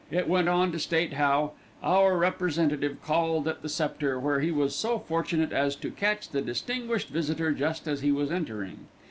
It went on to state how "our representative called at the Sceptre, where he was so fortunate as to catch the distinguished visitor just as he was entering.